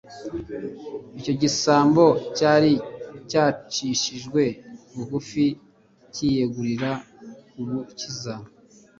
icyo gisambo cyari cyacishijwe bugufi cyiyegurira Umukiza